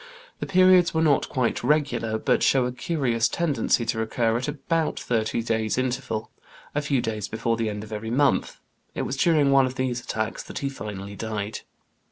The periods were not quite regular, but show a curious tendency to recur at about thirty days' interval, a few days before the end of every month; it was during one of these attacks that he finally died.